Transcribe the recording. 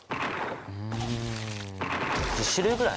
うん１０種類ぐらい？